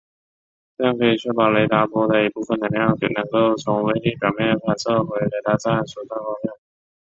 这样可以确保雷达波的一部分能量能够从微粒表面反射回雷达站所在方向。